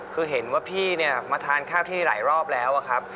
คือเห็นว่าพี่เนี่ยมาทานข้าวที่หลายรอบแล้วอะครับ